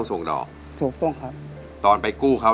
สวัสดีครับ